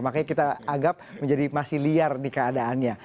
makanya kita anggap menjadi masih liar di keadaannya